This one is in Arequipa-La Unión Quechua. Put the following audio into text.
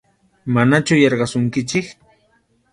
Manachu yarqasunkichik.